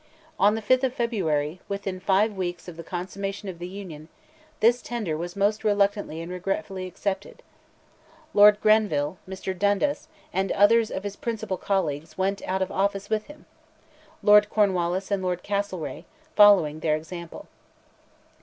On the 5th of February, within five weeks of the consummation of the Union, this tender was most reluctantly and regretfully accepted. Lord Grenville, Mr. Dundas, and others of his principal colleagues went out of office with him; Lord Cornwallis and Lord Castlereagh following their example.